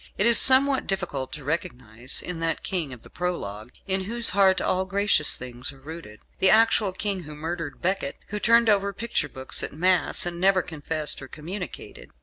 It is somewhat difficult to recognise in that King of the Prologue, "in whose heart all gracious things are rooted," the actual King who murdered Becket; who turned over picture books at Mass, and never confessed or communicated.